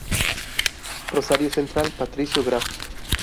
Rosario Central Patricio Graff.